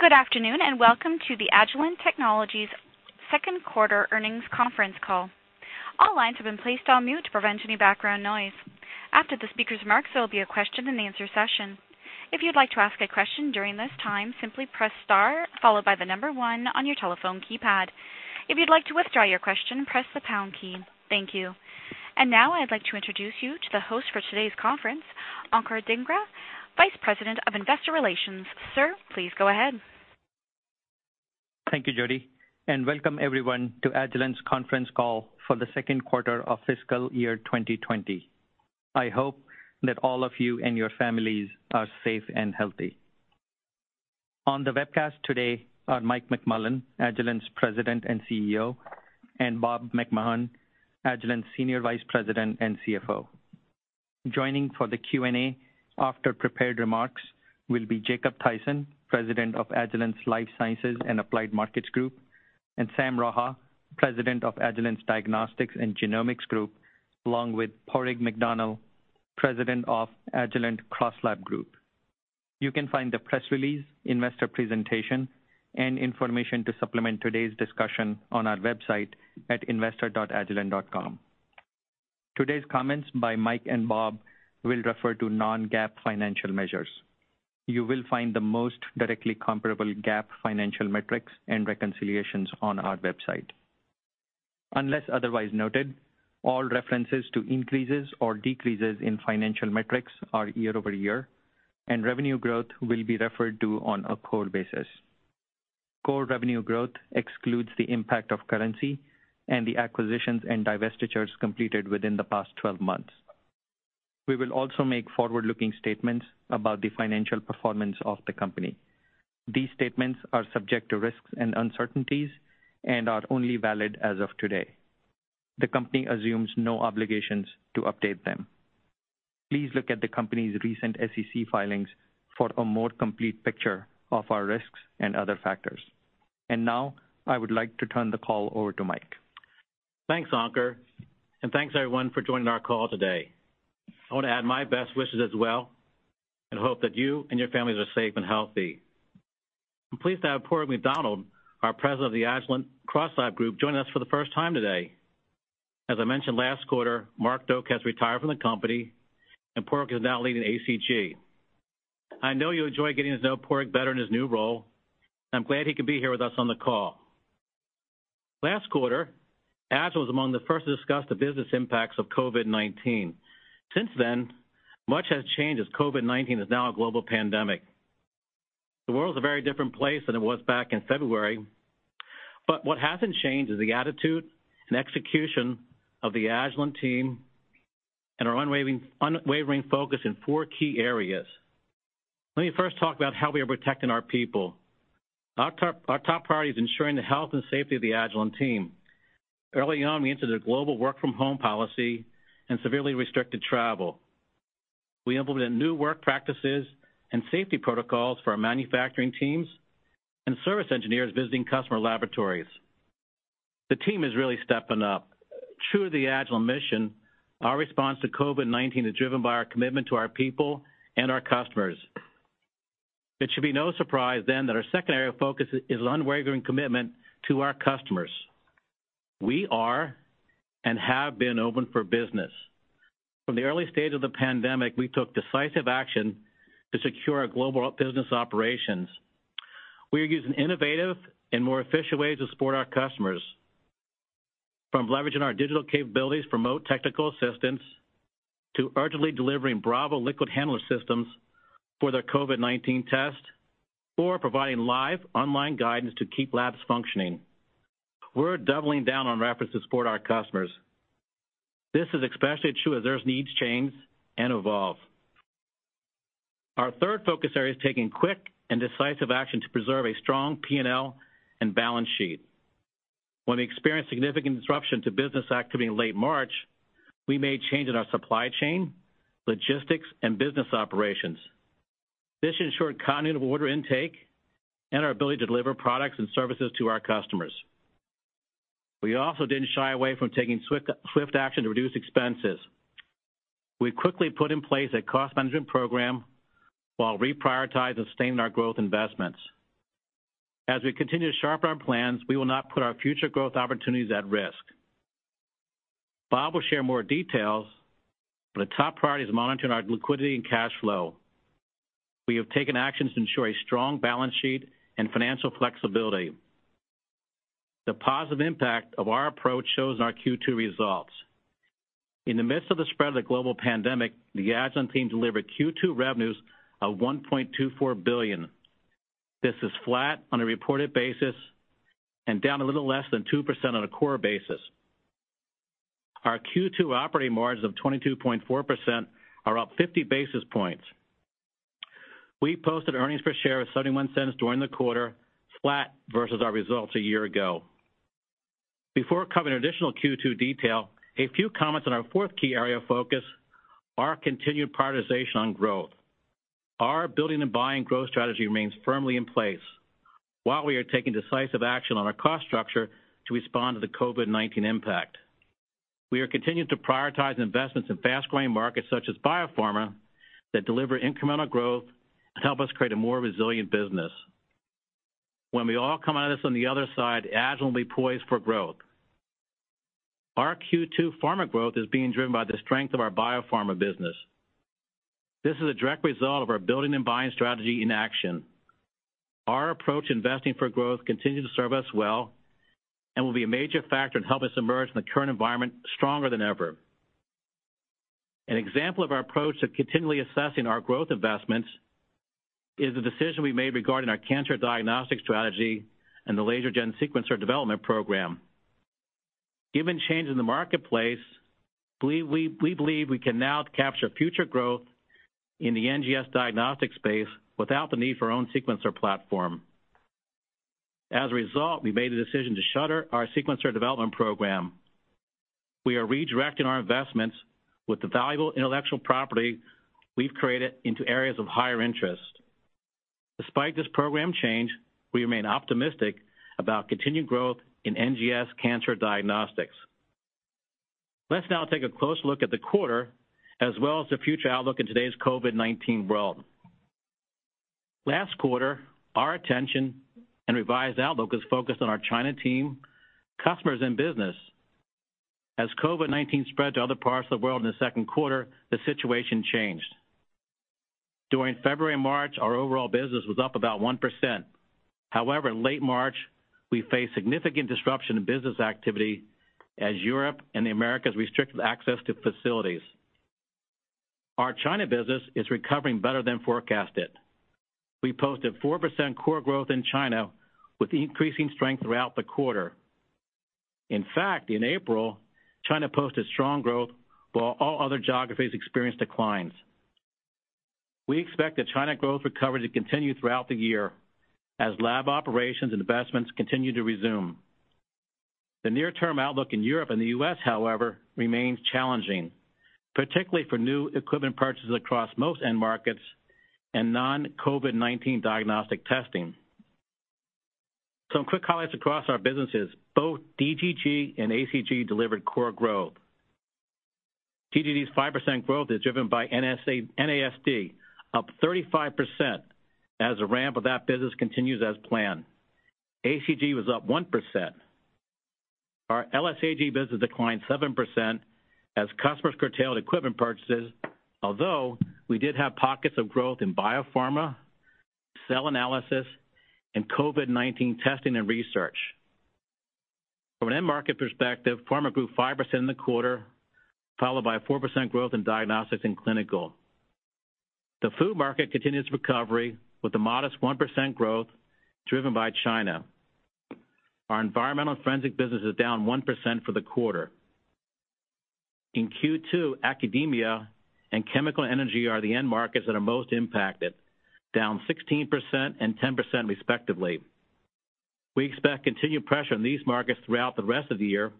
Good afternoon, welcome to the Agilent Technologies second quarter earnings conference call. All lines have been placed on mute to prevent any background noise. After the speaker's remarks, there will be a question and answer session. If you'd like to ask a question during this time, simply press star followed by the number one on your telephone keypad. If you'd like to withdraw your question, press the pound key. Thank you. Now I'd like to introduce you to the host for today's conference, Ankur Dhingra, Vice President of Investor Relations. Sir, please go ahead. Thank you, Jody, and welcome everyone to Agilent's conference call for the second quarter of fiscal year 2020. I hope that all of you and your families are safe and healthy. On the webcast today are Mike McMullen, Agilent's President and CEO, and Bob McMahon, Agilent's Senior Vice President and CFO. Joining for the Q&A after prepared remarks will be Jacob Thaysen, President of Agilent's Life Sciences and Applied Markets Group, and Sam Raha, President of Agilent's Diagnostics and Genomics Group, along with Padraig McDonnell, President of Agilent CrossLab Group. You can find the press release, investor presentation, and information to supplement today's discussion on our website at investor.agilent.com. Today's comments by Mike and Bob will refer to non-GAAP financial measures. You will find the most directly comparable GAAP financial metrics and reconciliations on our website. Unless otherwise noted, all references to increases or decreases in financial metrics are year-over-year, and revenue growth will be referred to on a core basis. Core revenue growth excludes the impact of currency and the acquisitions and divestitures completed within the past 12 months. We will also make forward-looking statements about the financial performance of the company. These statements are subject to risks and uncertainties and are only valid as of today. The company assumes no obligations to update them. Please look at the company's recent SEC filings for a more complete picture of our risks and other factors. Now I would like to turn the call over to Mike. Thanks, Ankur, and thanks everyone for joining our call today. I want to add my best wishes as well and hope that you and your families are safe and healthy. I'm pleased to have Padraig McDonnell, our president of the Agilent CrossLab Group, joining us for the first time today. As I mentioned last quarter, Mark Doak has retired from the company and Padraig is now leading ACG. I know you'll enjoy getting to know Padraig better in his new role. I'm glad he could be here with us on the call. Last quarter, Agilent was among the first to discuss the business impacts of COVID-19. Since then, much has changed as COVID-19 is now a global pandemic. The world's a very different place than it was back in February. What hasn't changed is the attitude and execution of the Agilent team and our unwavering focus in four key areas. Let me first talk about how we are protecting our people. Our top priority is ensuring the health and safety of the Agilent team. Early on, we entered a global work from home policy and severely restricted travel. We implemented new work practices and safety protocols for our manufacturing teams and service engineers visiting customer laboratories. The team is really stepping up. True to the Agilent mission, our response to COVID-19 is driven by our commitment to our people and our customers. It should be no surprise then that our second area of focus is unwavering commitment to our customers. We are and have been open for business. From the early stage of the pandemic, we took decisive action to secure our global business operations. We are using innovative and more efficient ways to support our customers, from leveraging our digital capabilities for remote technical assistance, to urgently delivering Bravo Liquid Handler systems for their COVID-19 test, or providing live online guidance to keep labs functioning. We're doubling down on efforts to support our customers. This is especially true as those needs change and evolve. Our third focus area is taking quick and decisive action to preserve a strong P&L and balance sheet. When we experienced significant disruption to business activity in late March, we made changes in our supply chain, logistics, and business operations. This ensured continued order intake and our ability to deliver products and services to our customers. We also didn't shy away from taking swift action to reduce expenses. We quickly put in place a cost management program while reprioritizing and sustaining our growth investments. As we continue to sharpen our plans, we will not put our future growth opportunities at risk. Bob will share more details, but a top priority is monitoring our liquidity and cash flow. We have taken actions to ensure a strong balance sheet and financial flexibility. The positive impact of our approach shows in our Q2 results. In the midst of the spread of the global pandemic, the Agilent team delivered Q2 revenues of $1.24 billion. This is flat on a reported basis and down a little less than 2% on a core basis. Our Q2 operating margins of 22.4% are up 50 basis points. We posted earnings per share of $0.71 during the quarter, flat versus our results a year ago. Before covering additional Q2 detail, a few comments on our fourth key area of focus, our continued prioritization on growth. Our building and buying growth strategy remains firmly in place. While we are taking decisive action on our cost structure to respond to the COVID-19 impact. We are continuing to prioritize investments in fast-growing markets such as biopharma, that deliver incremental growth and help us create a more resilient business. When we all come out of this on the other side, Agilent will be poised for growth. Our Q2 pharma growth is being driven by the strength of our biopharma business. This is a direct result of our building and buying strategy in action. Our approach to investing for growth continues to serve us well, and will be a major factor to help us emerge from the current environment stronger than ever. An example of our approach to continually assessing our growth investments is the decision we made regarding our cancer diagnostic strategy and the Lasergen sequencer development program. Given changes in the marketplace, we believe we can now capture future growth in the NGS diagnostic space without the need for our own sequencer platform. As a result, we made the decision to shutter our sequencer development program. We are redirecting our investments with the valuable intellectual property we've created into areas of higher interest. Despite this program change, we remain optimistic about continued growth in NGS cancer diagnostics. Let's now take a close look at the quarter, as well as the future outlook in today's COVID-19 world. Last quarter, our attention and revised outlook was focused on our China team, customers, and business. As COVID-19 spread to other parts of the world in the second quarter, the situation changed. During February and March, our overall business was up about 1%. However, in late March, we faced significant disruption in business activity as Europe and the Americas restricted access to facilities. Our China business is recovering better than forecasted. We posted 4% core growth in China, with increasing strength throughout the quarter. In fact, in April, China posted strong growth while all other geographies experienced declines. We expect the China growth recovery to continue throughout the year as lab operations and investments continue to resume. The near-term outlook in Europe and the U.S., however, remains challenging, particularly for new equipment purchases across most end markets and non-COVID-19 diagnostic testing. Some quick highlights across our businesses. Both DGG and ACG delivered core growth. DGG's 5% growth is driven by NASD, up 35% as the ramp of that business continues as planned. ACG was up 1%. Our LSAG business declined 7% as customers curtailed equipment purchases, although we did have pockets of growth in biopharma, cell analysis, and COVID-19 testing and research. From an end market perspective, pharma grew 5% in the quarter, followed by 4% growth in diagnostics and clinical. The food market continues recovery with a modest 1% growth driven by China. Our environmental and forensic business is down 1% for the quarter. In Q2, academia and chemical energy are the end markets that are most impacted, down 16% and 10% respectively. We expect continued pressure on these markets throughout the rest of the year,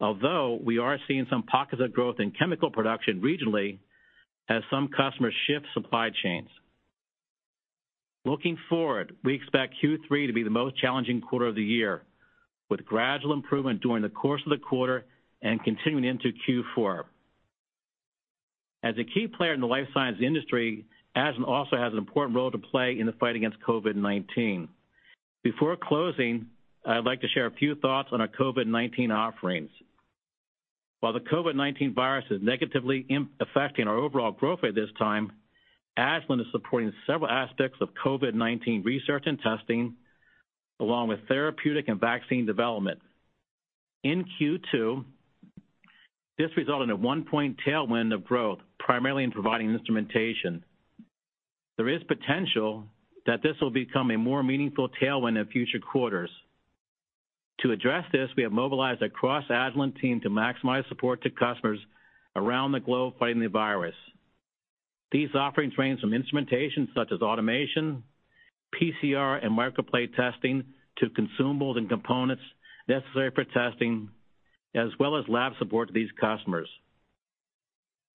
although we are seeing some pockets of growth in chemical production regionally as some customers shift supply chains. Looking forward, we expect Q3 to be the most challenging quarter of the year, with gradual improvement during the course of the quarter and continuing into Q4. As a key player in the life science industry, Agilent also has an important role to play in the fight against COVID-19. Before closing, I'd like to share a few thoughts on our COVID-19 offerings. While the COVID-19 virus is negatively affecting our overall growth rate this time, Agilent is supporting several aspects of COVID-19 research and testing, along with therapeutic and vaccine development. In Q2, this resulted in a one point tailwind of growth, primarily in providing instrumentation. There is potential that this will become a more meaningful tailwind in future quarters. To address this, we have mobilized a cross-Agilent team to maximize support to customers around the globe fighting the virus. These offerings range from instrumentation such as automation, PCR, and microplate testing to consumables and components necessary for testing, as well as lab support to these customers.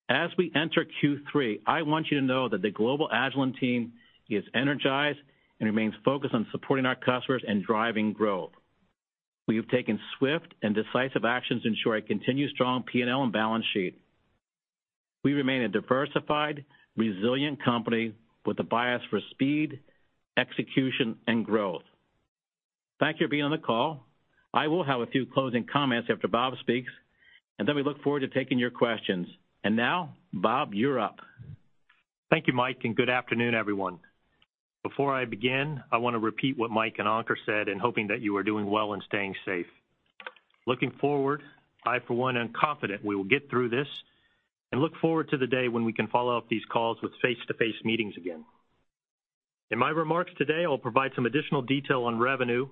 As we enter Q3, I want you to know that the global Agilent team is energized and remains focused on supporting our customers and driving growth. We have taken swift and decisive actions to ensure a continued strong P&L and balance sheet. We remain a diversified, resilient company with a bias for speed, execution, and growth. Thank you for being on the call. I will have a few closing comments after Bob speaks, and then we look forward to taking your questions. Now, Bob, you're up. Thank you, Mike, and good afternoon, everyone. Before I begin, I want to repeat what Mike and Ankur said in hoping that you are doing well and staying safe. Looking forward, I for one am confident we will get through this and look forward to the day when we can follow up these calls with face-to-face meetings again. In my remarks today, I will provide some additional detail on revenue,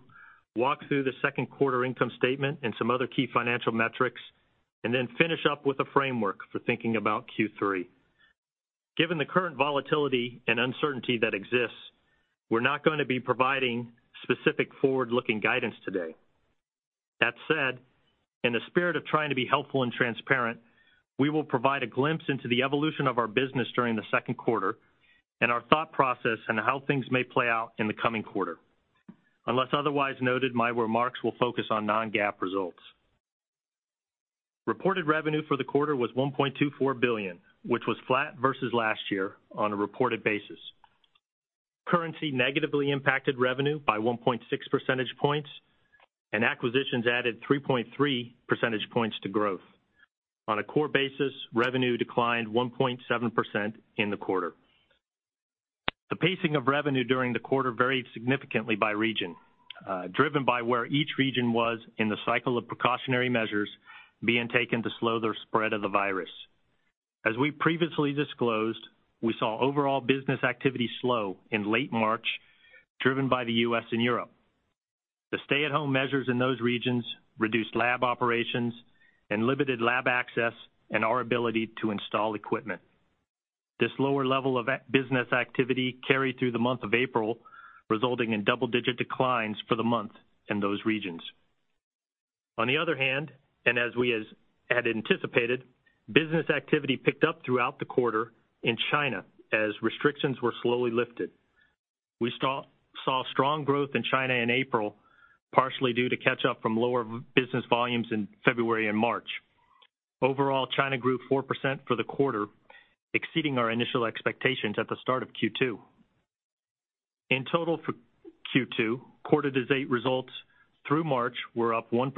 walk through the second quarter income statement and some other key financial metrics, and then finish up with a framework for thinking about Q3. Given the current volatility and uncertainty that exists, we're not going to be providing specific forward-looking guidance today. That said, in the spirit of trying to be helpful and transparent, we will provide a glimpse into the evolution of our business during the second quarter, and our thought process and how things may play out in the coming quarter. Unless otherwise noted, my remarks will focus on non-GAAP results. Reported revenue for the quarter was $1.24 billion, which was flat versus last year on a reported basis. Currency negatively impacted revenue by 1.6 percentage points, and acquisitions added 3.3 percentage points to growth. On a core basis, revenue declined 1.7% in the quarter. The pacing of revenue during the quarter varied significantly by region, driven by where each region was in the cycle of precautionary measures being taken to slow the spread of the virus. As we previously disclosed, we saw overall business activity slow in late March, driven by the U.S. and Europe. The stay-at-home measures in those regions reduced lab operations and limited lab access and our ability to install equipment. This lower level of business activity carried through the month of April, resulting in double-digit declines for the month in those regions. On the other hand, and as we had anticipated, business activity picked up throughout the quarter in China as restrictions were slowly lifted. We saw strong growth in China in April, partially due to catch-up from lower business volumes in February and March. Overall, China grew 4% for the quarter, exceeding our initial expectations at the start of Q2. In total for Q2, quarter-to-date results through March were up 1%,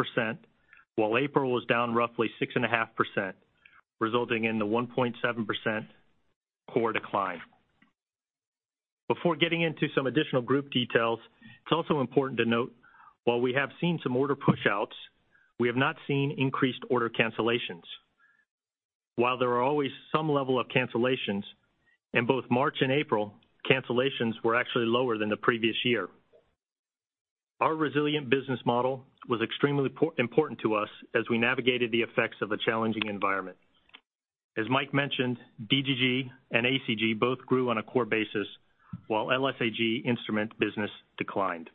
while April was down roughly 6.5%, resulting in the 1.7% core decline. Before getting into some additional group details, it's also important to note, while we have seen some order push-outs, we have not seen increased order cancellations. While there are always some level of cancellations, in both March and April, cancellations were actually lower than the previous year. Our resilient business model was extremely important to us as we navigated the effects of a challenging environment. As Mike mentioned, DGG and ACG both grew on a core basis, while LSAG instrument business declined.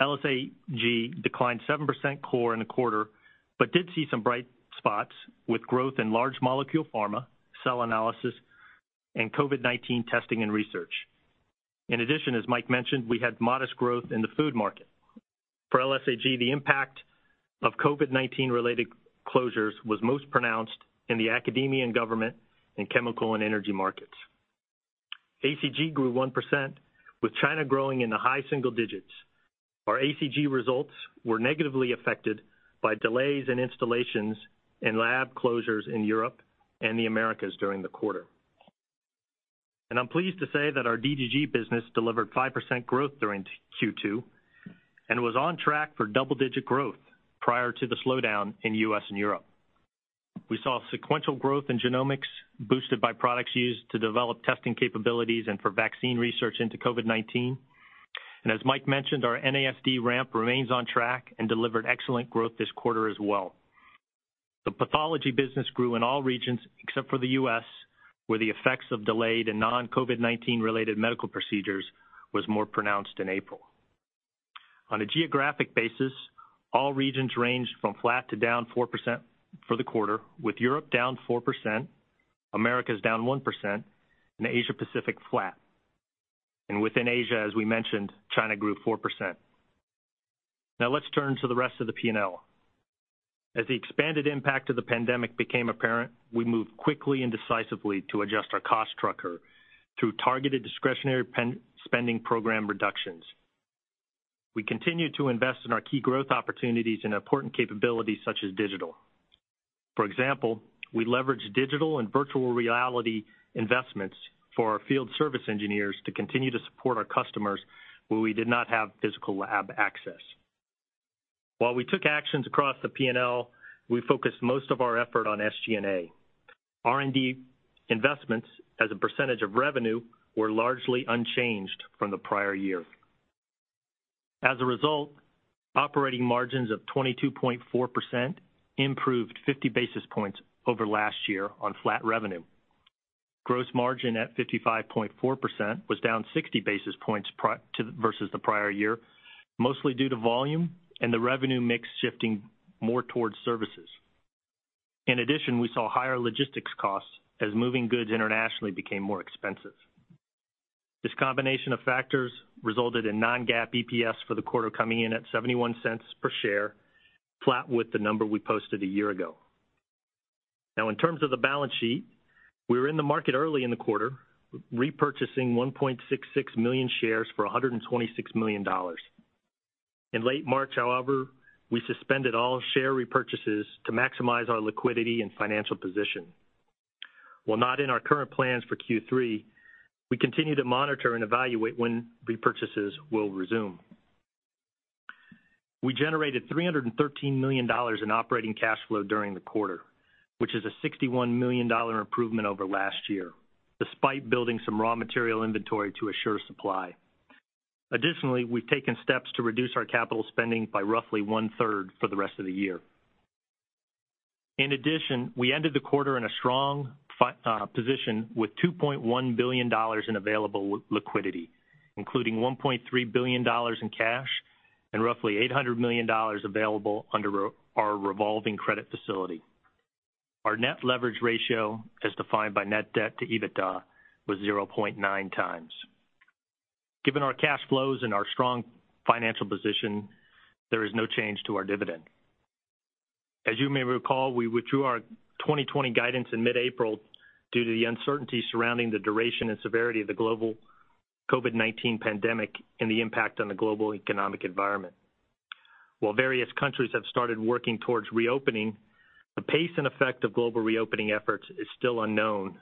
LSAG declined 7% core in the quarter, but did see some bright spots with growth in large molecule pharma, cell analysis, and COVID-19 testing and research. In addition, as Mike mentioned, we had modest growth in the food market. For LSAG, the impact of COVID-19-related closures was most pronounced in the academia and government and chemical and energy markets. ACG grew 1%, with China growing in the high single digits. Our ACG results were negatively affected by delays in installations and lab closures in Europe and the Americas during the quarter. I'm pleased to say that our DGG business delivered 5% growth during Q2 and was on track for double-digit growth prior to the slowdown in the U.S. and Europe. We saw sequential growth in genomics boosted by products used to develop testing capabilities and for vaccine research into COVID-19. As Mike mentioned, our NASD ramp remains on track and delivered excellent growth this quarter as well. The pathology business grew in all regions except for the U.S., where the effects of delayed and non-COVID-19-related medical procedures was more pronounced in April. On a geographic basis, all regions ranged from flat to down 4% for the quarter, with Europe down 4%, Americas down 1%, and Asia Pacific flat. Within Asia, as we mentioned, China grew 4%. Let's turn to the rest of the P&L. As the expanded impact of the pandemic became apparent, we moved quickly and decisively to adjust our cost structure through targeted discretionary spending program reductions. We continued to invest in our key growth opportunities and important capabilities such as digital. For example, we leveraged digital and virtual reality investments for our field service engineers to continue to support our customers where we did not have physical lab access. While we took actions across the P&L, we focused most of our effort on SG&A. R&D investments as a percentage of revenue were largely unchanged from the prior year. As a result, operating margins of 22.4% improved 50 basis points over last year on flat revenue. Gross margin at 55.4% was down 60 basis points versus the prior year, mostly due to volume and the revenue mix shifting more towards services. In addition, we saw higher logistics costs as moving goods internationally became more expensive. This combination of factors resulted in non-GAAP EPS for the quarter coming in at $0.71 per share, flat with the number we posted a year ago. In terms of the balance sheet, we were in the market early in the quarter, repurchasing 1.66 million shares for $126 million. In late March, however, we suspended all share repurchases to maximize our liquidity and financial position. While not in our current plans for Q3, we continue to monitor and evaluate when repurchases will resume. We generated $313 million in operating cash flow during the quarter, which is a $61 million improvement over last year, despite building some raw material inventory to assure supply. We've taken steps to reduce our capital spending by roughly one-third for the rest of the year. We ended the quarter in a strong position with $2.1 billion in available liquidity, including $1.3 billion in cash and roughly $800 million available under our revolving credit facility. Our net leverage ratio, as defined by net debt to EBITDA, was 0.9x. Given our cash flows and our strong financial position, there is no change to our dividend. As you may recall, we withdrew our 2020 guidance in mid-April due to the uncertainty surrounding the duration and severity of the global COVID-19 pandemic and the impact on the global economic environment. While various countries have started working towards reopening, the pace and effect of global reopening efforts is still unknown,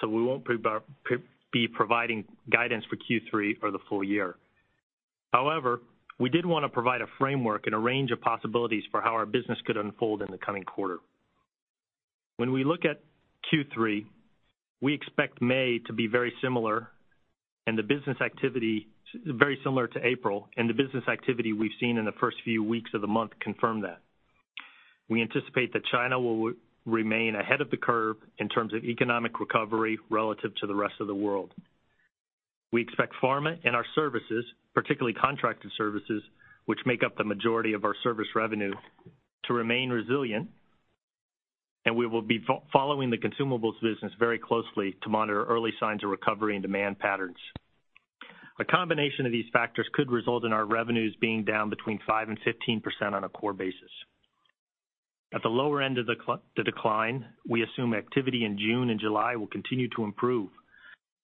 so we won't be providing guidance for Q3 or the full year. However, we did want to provide a framework and a range of possibilities for how our business could unfold in the coming quarter. When we look at Q3, we expect May to be very similar to April, and the business activity we've seen in the first few weeks of the month confirm that. We anticipate that China will remain ahead of the curve in terms of economic recovery relative to the rest of the world. We expect pharma and our services, particularly contracted services, which make up the majority of our service revenue, to remain resilient, and we will be following the consumables business very closely to monitor early signs of recovery and demand patterns. A combination of these factors could result in our revenues being down between 5%-15% on a core basis. At the lower end of the decline, we assume activity in June and July will continue to improve,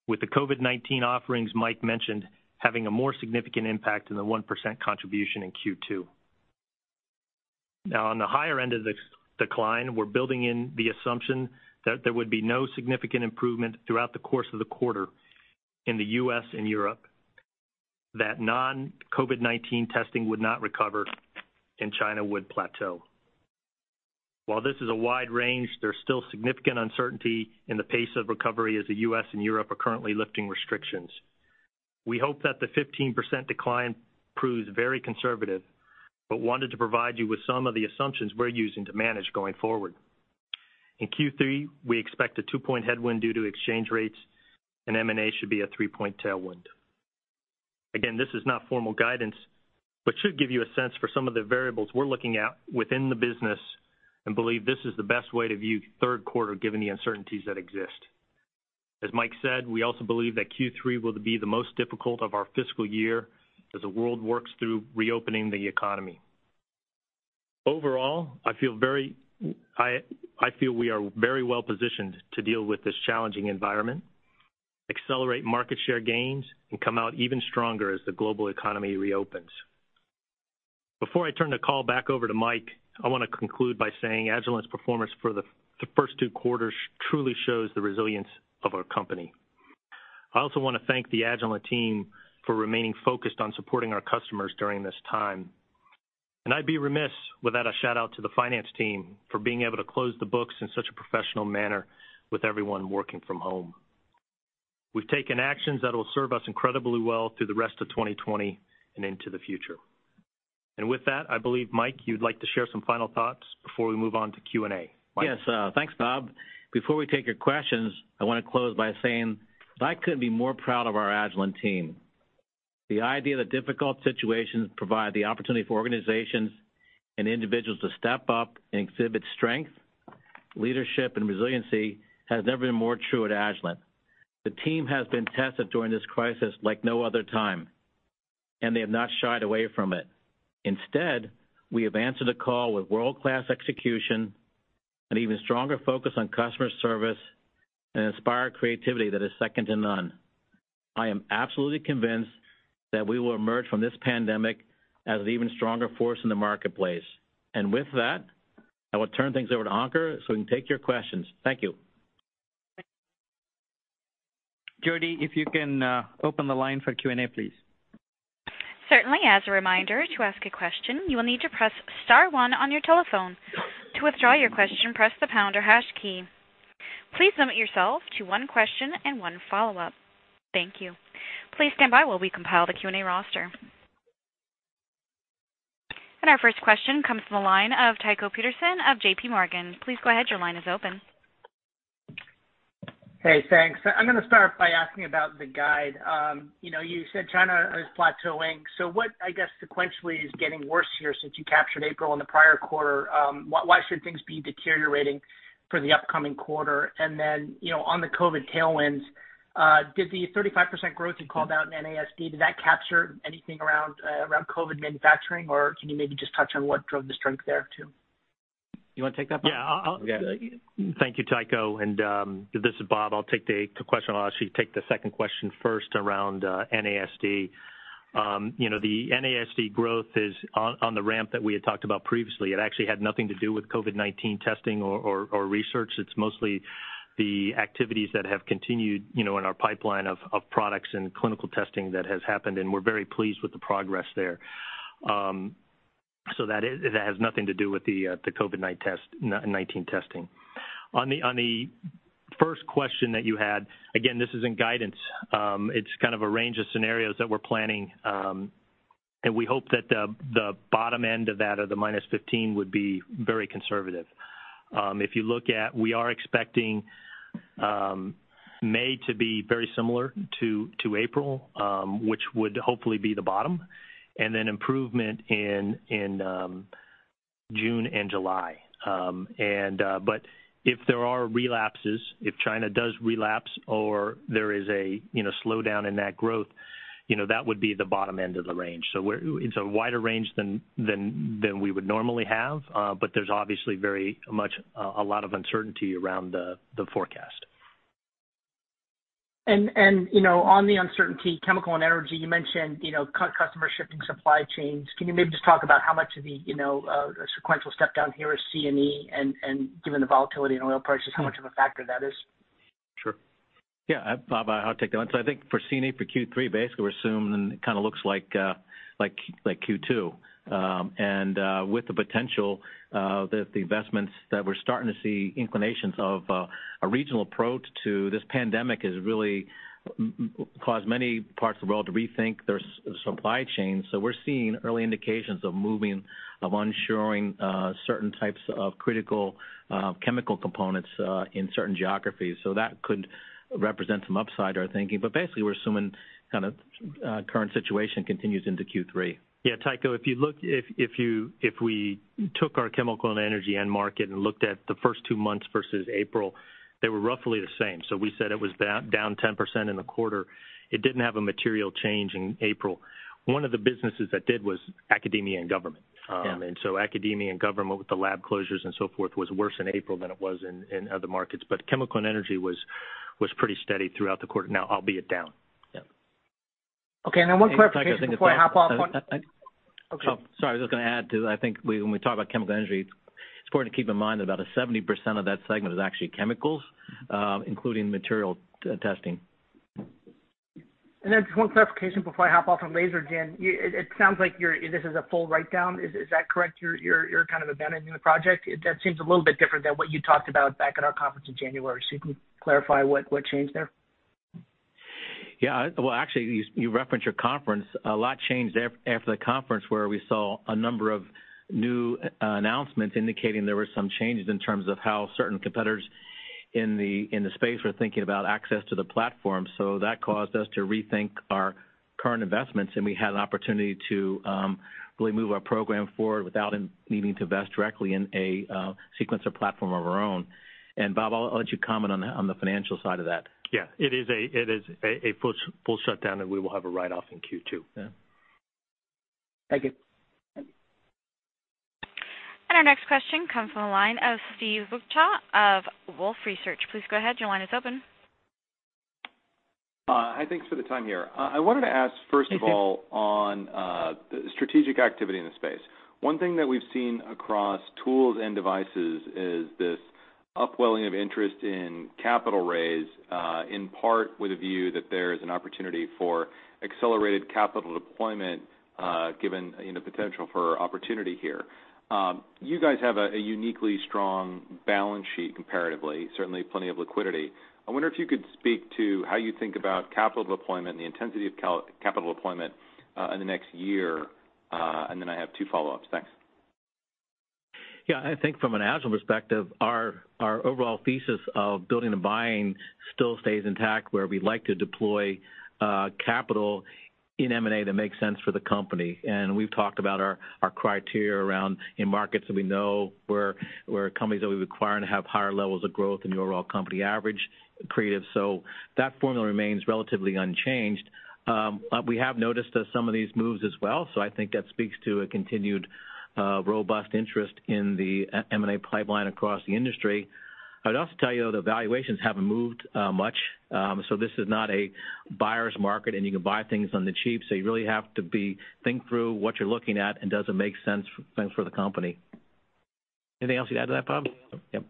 with the COVID-19 offerings Mike mentioned having a more significant impact than the 1% contribution in Q2. On the higher end of the decline, we're building in the assumption that there would be no significant improvement throughout the course of the quarter in the U.S. and Europe, that non-COVID-19 testing would not recover, and China would plateau. While this is a wide range, there's still significant uncertainty in the pace of recovery as the U.S. and Europe are currently lifting restrictions. We hope that the 15% decline proves very conservative, but wanted to provide you with some of the assumptions we're using to manage going forward. In Q3, we expect a two-point headwind due to exchange rates. M&A should be a three-point tailwind. Again, this is not formal guidance, but should give you a sense for some of the variables we're looking at within the business and believe this is the best way to view the third quarter, given the uncertainties that exist. As Mike said, we also believe that Q3 will be the most difficult of our fiscal year as the world works through reopening the economy. Overall, I feel we are very well positioned to deal with this challenging environment, accelerate market share gains, and come out even stronger as the global economy reopens. Before I turn the call back over to Mike, I want to conclude by saying Agilent's performance for the first two quarters truly shows the resilience of our company. I also want to thank the Agilent team for remaining focused on supporting our customers during this time. I'd be remiss without a shout-out to the finance team for being able to close the books in such a professional manner with everyone working from home. We've taken actions that'll serve us incredibly well through the rest of 2020 and into the future. With that, I believe, Mike, you'd like to share some final thoughts before we move on to Q&A. Mike? Yes. Thanks, Bob. Before we take your questions, I want to close by saying that I couldn't be more proud of our Agilent team. The idea that difficult situations provide the opportunity for organizations and individuals to step up and exhibit strength, leadership, and resiliency has never been more true at Agilent. The team has been tested during this crisis like no other time, and they have not shied away from it. Instead, we have answered the call with world-class execution, an even stronger focus on customer service, and inspired creativity that is second to none. I am absolutely convinced that we will emerge from this pandemic as an even stronger force in the marketplace. With that, I will turn things over to Ankur so we can take your questions. Thank you. Jodi, if you can open the line for Q&A, please. Certainly. As a reminder, to ask a question, you will need to press *1 on your telephone. To withdraw your question, press the pound or hash key. Please limit yourself to one question and one follow-up. Thank you. Please stand by while we compile the Q&A roster. Our first question comes from the line of Tycho Peterson of JPMorgan. Please go ahead, your line is open. Hey, thanks. I'm going to start by asking about the guide. You said China is plateauing. What, I guess, sequentially is getting worse here since you captured April in the prior quarter? Why should things be deteriorating for the upcoming quarter? On the COVID tailwinds, did the 35% growth you called out in NASD, did that capture anything around COVID manufacturing, or can you maybe just touch on what drove the strength there, too? You want to take that, Bob? Yeah. Okay. Thank you, Tycho. This is Bob. I'll take the question, I'll actually take the second question first around NASD. The NASD growth is on the ramp that we had talked about previously. It actually had nothing to do with COVID-19 testing or research. It's mostly the activities that have continued in our pipeline of products and clinical testing that has happened, and we're very pleased with the progress there. That has nothing to do with the COVID-19 testing. On the first question that you had, again, this is in guidance. It's kind of a range of scenarios that we're planning. We hope that the bottom end of that, or the minus 15, would be very conservative. If you look at, we are expecting May to be very similar to April, which would hopefully be the bottom, and then improvement in June and July. If there are relapses, if China does relapse or there is a slowdown in that growth, that would be the bottom end of the range. It's a wider range than we would normally have, but there's obviously a lot of uncertainty around the forecast. On the uncertainty, chemical and energy, you mentioned customer shifting supply chains. Can you maybe just talk about how much of the sequential step down here is C&E and, given the volatility in oil prices, how much of a factor that is? Sure. Yeah, Bob, I'll take that one. I think for C&E for Q3, basically we're assuming it kind of looks like Q2, and with the potential that the investments that we're starting to see inclinations of a regional approach to this pandemic has really caused many parts of the world to rethink their supply chain. We're seeing early indications of moving, of onshoring, certain types of critical chemical components in certain geographies. That could represent some upside to our thinking. Basically, we're assuming kind of current situation continues into Q3. Yeah, Tycho, if we took our chemical and energy end market and looked at the first two months versus April, they were roughly the same. We said it was down 10% in the quarter. It didn't have a material change in April. One of the businesses that did was academia and government. Yeah. Academia and government, with the lab closures and so forth, was worse in April than it was in other markets. Chemical and energy was pretty steady throughout the quarter. Now, albeit down. Yeah. Okay. And then one clarification before I hop off. Tycho, Okay. Oh, sorry. I was just going to add, too, I think when we talk about chemical energy, it's important to keep in mind that about 70% of that segment is actually chemicals, including material testing. Just one clarification before I hop off on Lasergen, it sounds like this is a full write-down. Is that correct? You're kind of abandoning the project? That seems a little bit different than what you talked about back at our conference in January. If you can clarify what changed there. Yeah. Well, actually, you referenced your conference. A lot changed after the conference, where we saw a number of new announcements indicating there were some changes in terms of how certain competitors in the space were thinking about access to the platform. That caused us to rethink our current investments, and we had an opportunity to really move our program forward without needing to invest directly in a sequencer platform of our own. Bob, I'll let you comment on the financial side of that. Yeah. It is a full shutdown, and we will have a write-off in Q2. Yeah. Thank you. Thank you. Our next question comes from the line of Steve Beuchaw of Wolfe Research. Please go ahead, your line is open. Hi, thanks for the time here. Thank you. I wanted to ask, first of all, on strategic activity in the space. One thing that we've seen across tools and devices is this upwelling of interest in capital raise, in part with a view that there is an opportunity for accelerated capital deployment, given the potential for opportunity here. You guys have a uniquely strong balance sheet comparatively, certainly plenty of liquidity. I wonder if you could speak to how you think about capital deployment and the intensity of capital deployment in the next year. Then I have two follow-ups. Thanks. Yeah. I think from an Agilent perspective, our overall thesis of building and buying still stays intact, where we like to deploy capital in M&A that makes sense for the company. We've talked about our criteria around in markets that we know, where companies that we acquire and have higher levels of growth than the overall company average accretive. That formula remains relatively unchanged. We have noticed some of these moves as well, so I think that speaks to a continued robust interest in the M&A pipeline across the industry. I'd also tell you, though, the valuations haven't moved much, so this is not a buyer's market and you can buy things on the cheap, so you really have to think through what you're looking at and does it make sense for the company. Anything else you'd add to that, Bob? No. Yep.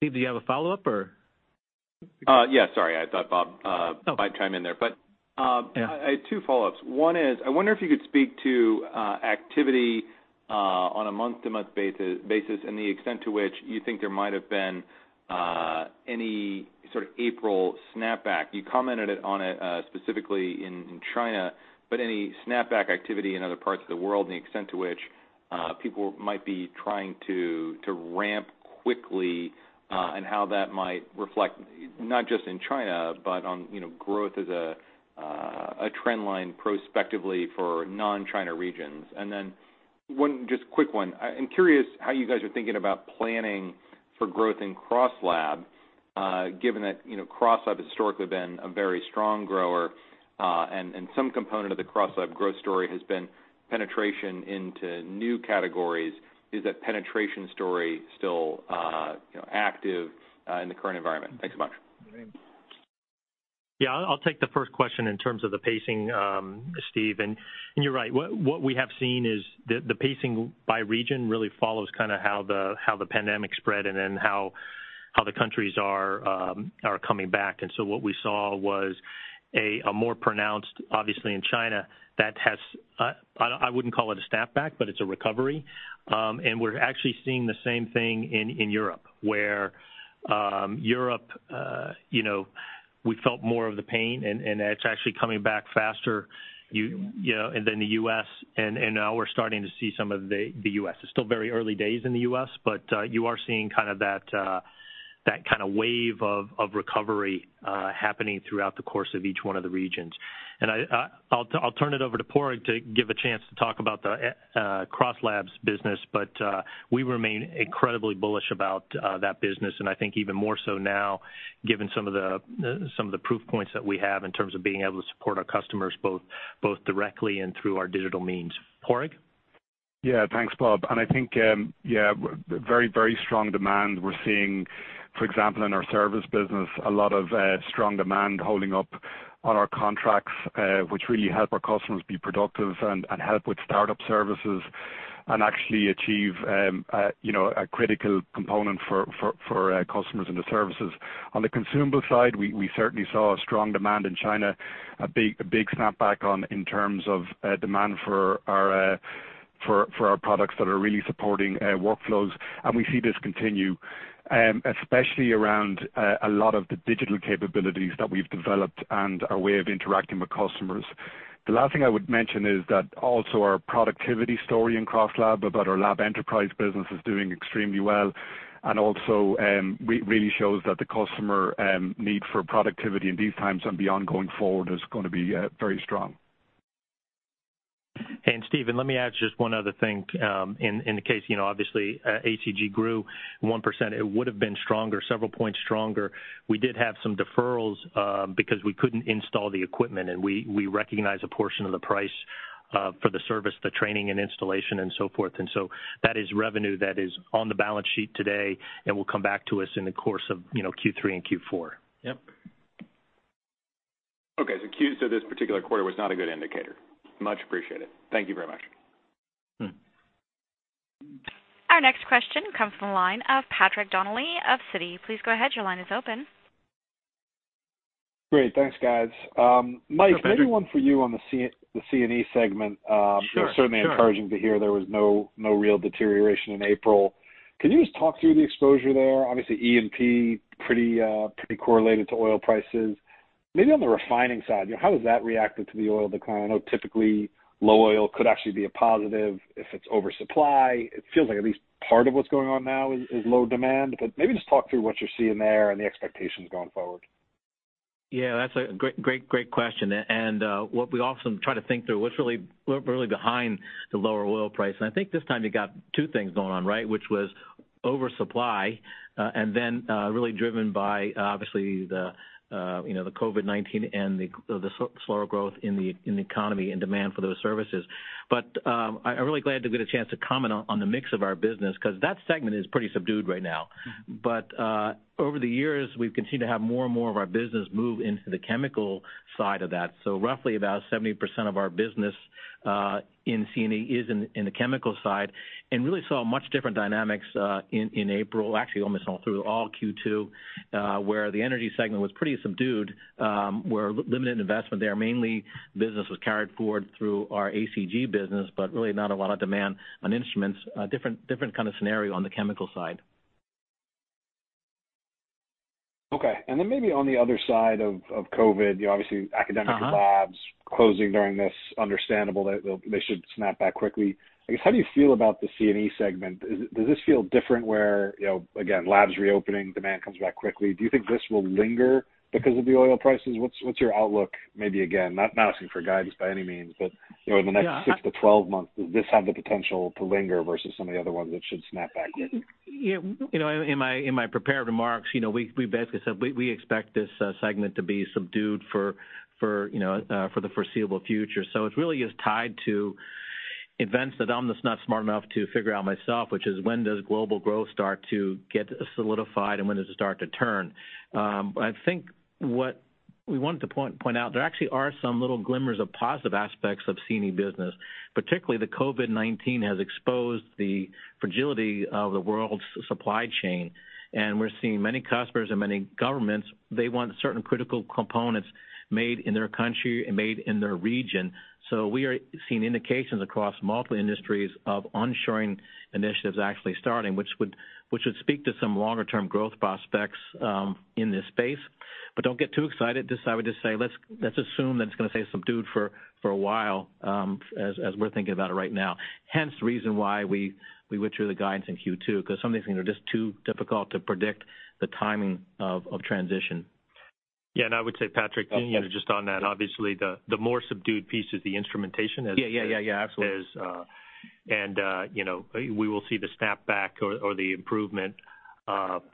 Steve, do you have a follow-up or? Yeah, sorry, I thought. No might chime in there. Yeah I had two follow-ups. One is, I wonder if you could speak to activity on a month-to-month basis and the extent to which you think there might have been any sort of April snapback. Any snapback activity in other parts of the world and the extent to which people might be trying to ramp quickly, and how that might reflect, not just in China, but on growth as a trend line prospectively for non-China regions. One just quick one. I'm curious how you guys are thinking about planning for growth in CrossLab, given that CrossLab has historically been a very strong grower, and some component of the CrossLab growth story has been penetration into new categories. Is that penetration story still active in the current environment? Thanks so much. Yeah. I'll take the first question in terms of the pacing, Steve. You're right. What we have seen is the pacing by region really follows kind of how the pandemic spread and then how the countries are coming back. What we saw was a more pronounced, obviously in China, that has, I wouldn't call it a snapback, but it's a recovery. We're actually seeing the same thing in Europe, where Europe, we felt more of the pain, and it's actually coming back faster than the U.S., and now we're starting to see some of the U.S. It's still very early days in the U.S., you are seeing that kind of wave of recovery happening throughout the course of each one of the regions. I'll turn it over to Padraig to give a chance to talk about the CrossLab business. We remain incredibly bullish about that business, and I think even more so now, given some of the proof points that we have in terms of being able to support our customers both directly and through our digital means. Padraig? Yeah, thanks, Bob. I think, yeah, very strong demand. We're seeing, for example, in our service business, a lot of strong demand holding up on our contracts, which really help our customers be productive and help with startup services, and actually achieve a critical component for our customers in the services. On the consumable side, we certainly saw a strong demand in China, a big snapback on in terms of demand for our products that are really supporting workflows. We see this continue, especially around a lot of the digital capabilities that we've developed and our way of interacting with customers. The last thing I would mention is that also our productivity story in CrossLab about our lab enterprise business is doing extremely well, and also really shows that the customer need for productivity in these times and beyond going forward is going to be very strong. Steve, let me add just one other thing. In the case, obviously, ACG grew 1%. It would've been stronger, several points stronger. We did have some deferrals because we couldn't install the equipment, and we recognize a portion of the price for the service, the training and installation and so forth. That is revenue that is on the balance sheet today and will come back to us in the course of Q3 and Q4. Yep. Okay, this particular quarter was not a good indicator. Much appreciated. Thank you very much. Our next question comes from the line of Patrick Donnelly of Citi. Please go ahead, your line is open. Great. Thanks, guys. No, Patrick. maybe one for you on the C&E segment. Sure. It was certainly encouraging to hear there was no real deterioration in April. Can you just talk through the exposure there? Obviously, E&P pretty correlated to oil prices. Maybe on the refining side, how has that reacted to the oil decline? I know typically low oil could actually be a positive if it's oversupply. It feels like at least part of what's going on now is low demand. Maybe just talk through what you're seeing there and the expectations going forward. Yeah, that's a great question, what we also try to think through, what's really behind the lower oil price. I think this time you got two things going on, right? Which was oversupply, and then really driven by, obviously, the COVID-19 and the slower growth in the economy and demand for those services. I'm really glad to get a chance to comment on the mix of our business because that segment is pretty subdued right now. Over the years, we've continued to have more and more of our business move into the chemical side of that. Roughly about 70% of our business in C&E is in the chemical side, and really saw much different dynamics, in April, actually almost all through all Q2, where the energy segment was pretty subdued, where limited investment there, mainly business was carried forward through our ACG business, but really not a lot of demand on instruments. A different kind of scenario on the chemical side. Okay. Maybe on the other side of COVID, obviously academic labs closing during this. Understandable that they should snap back quickly. I guess how do you feel about the C&E segment? Does this feel different where, again, labs reopening, demand comes back quickly? Do you think this will linger because of the oil prices? What's your outlook? Maybe again, not asking for guidance by any means, but in the next six to 12 months, does this have the potential to linger versus some of the other ones that should snap back quickly? Yeah. In my prepared remarks, we basically said we expect this segment to be subdued for the foreseeable future. It really is tied to events that I'm just not smart enough to figure out myself, which is when does global growth start to get solidified and when does it start to turn? I think what we wanted to point out, there actually are some little glimmers of positive aspects of C&E business. Particularly the COVID-19 has exposed the fragility of the world's supply chain, and we're seeing many customers and many governments, they want certain critical components made in their country and made in their region. We are seeing indications across multiple industries of onshoring initiatives actually starting, which would speak to some longer-term growth prospects in this space. Don't get too excited. I would just say, let's assume that it's going to stay subdued for a while, as we're thinking about it right now, hence the reason why we withdrew the guidance in Q2 because some of these things are just too difficult to predict the timing of transition. Yeah, I would say, Patrick, just on that, obviously the more subdued piece is the instrumentation. Yeah. Absolutely, we will see the snapback or the improvement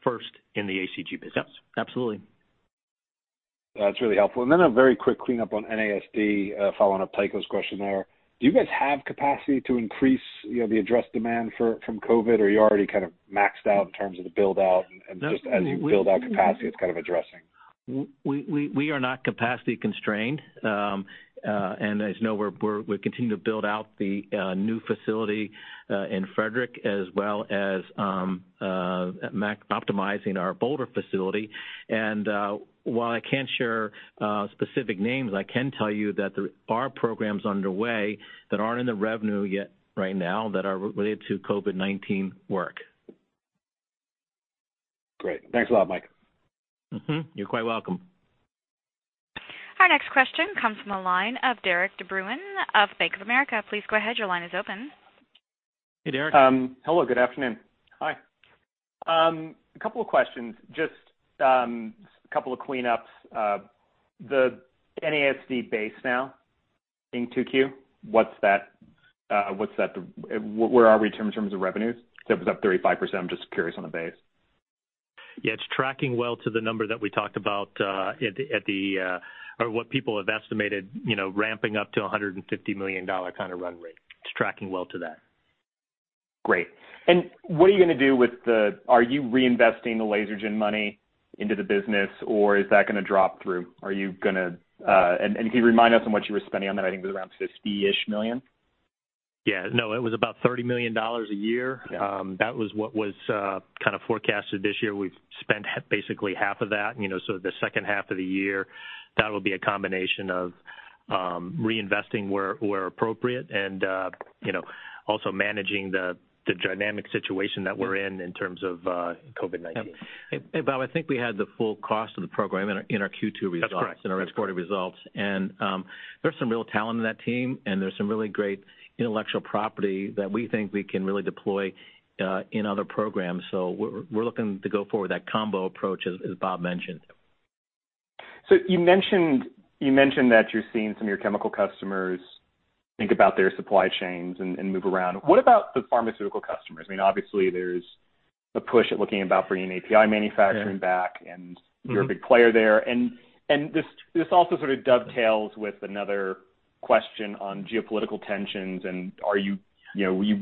first in the ACG business. Yep. Absolutely. That's really helpful. A very quick cleanup on NASD, following up Tycho's question there. Do you guys have capacity to increase the addressed demand from COVID, or are you already kind of maxed out in terms of the build-out and just as you build out capacity, it's kind of addressing? We are not capacity constrained. As you know, we're continuing to build out the new facility in Frederick as well as optimizing our Boulder facility. While I can't share specific names, I can tell you that there are programs underway that aren't in the revenue yet right now that are related to COVID-19 work. Great. Thanks a lot, Mike. Mm-hmm. You're quite welcome. Our next question comes from the line of Derik De Bruin of Bank of America. Please go ahead. Your line is open. Hey, Derik. Hello. Good afternoon. Hi. A couple of questions, just a couple of cleanups. The NASD base now in 2Q, where are we in terms of revenues? Because it was up 35%, I'm just curious on the base. Yeah, it's tracking well to the number that we talked about, or what people have estimated, ramping up to $150 million kind of run rate. It's tracking well to that. Great. Are you reinvesting the Lasergen money into the business, or is that going to drop through? Can you remind us on what you were spending on that? I think it was around $50 million. Yeah. No, it was about $30 million a year. Yeah. That was what was kind of forecasted this year. We've spent basically half of that. The second half of the year, that'll be a combination of reinvesting where appropriate and also managing the dynamic situation that we're in terms of COVID-19. Yep. Hey, Bob, I think we had the full cost of the program in our Q2 results. That's correct. in our first quarter results. There's some real talent in that team, there's some really great intellectual property that we think we can really deploy in other programs. We're looking to go forward with that combo approach, as Bob mentioned. You mentioned that you're seeing some of your chemical customers think about their supply chains and move around. What about the pharmaceutical customers? I mean, obviously there's a push at looking about bringing API manufacturing back. Yeah. Mm-hmm. You're a big player there. This also sort of dovetails with another question on geopolitical tensions and are you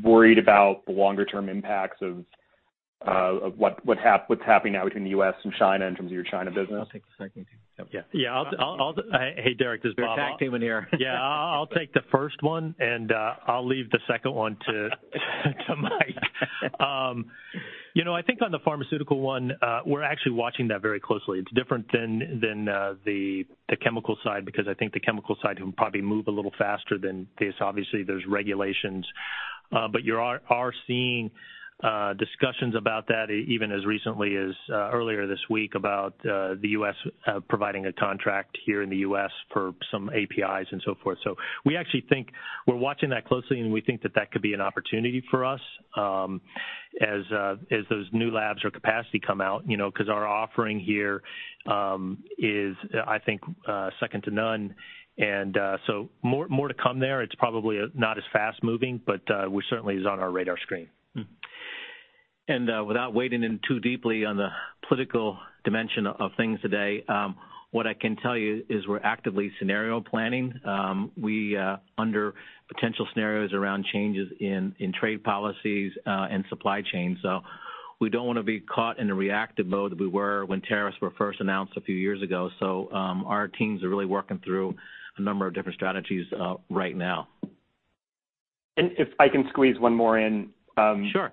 worried about the longer-term impacts of what's happening now between the U.S. and China in terms of your China business? I'll take the second. Yep. Yeah. Hey, Derik, this is Bob. Your tag team in here. Yeah, I'll take the first one, and I'll leave the second one to Mike. I think on the pharmaceutical one, we're actually watching that very closely. It's different than the chemical side because I think the chemical side can probably move a little faster than this. Obviously, there's regulations. You are seeing discussions about that even as recently as earlier this week about the U.S. providing a contract here in the U.S. for some APIs and so forth. We actually think we're watching that closely, and we think that that could be an opportunity for us as those new labs or capacity come out because our offering here is, I think, second to none. More to come there. It's probably not as fast-moving, but we're certainly is on our radar screen. Without wading in too deeply on the political dimension of things today, what I can tell you is we're actively scenario planning. We under potential scenarios around changes in trade policies and supply chains. We don't want to be caught in a reactive mode as we were when tariffs were first announced a few years ago. Our teams are really working through a number of different strategies right now. If I can squeeze one more in. Sure.